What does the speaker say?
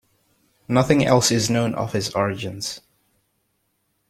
Nothing else is known of his origins.